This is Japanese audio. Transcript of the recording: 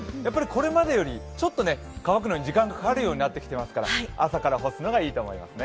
これまでより、ちょっと乾くまで時間がかかるようになってきていますから朝から干すようにした方がいいと思います。